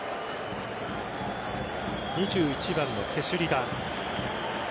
２１番のケシュリダ。